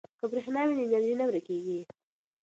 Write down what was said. که برښنا وي نو انرژي نه ورکیږي.